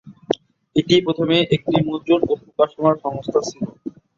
এটি প্রথমে একটি মুদ্রণ ও প্রকাশনা সংস্থা ছিল।